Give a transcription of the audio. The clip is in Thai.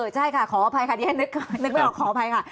ใช่ค่ะขออภัยค่ะที่ฉันนึกไม่ออกขออภัยค่ะ